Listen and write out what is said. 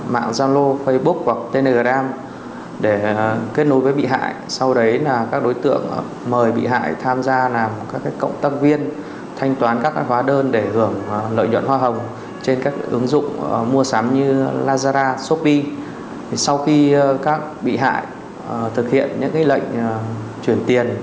mua sắm như lazara shopee sau khi các bị hại thực hiện những lệnh chuyển tiền